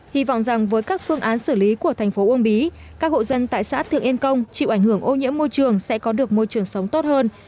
hy vọng rằng với các phương án xử lý của thành phố uông bí các hộ dân tại xã thượng yên công chịu ảnh hưởng ô nhiễm môi trường sẽ có được môi trường sống tốt hơn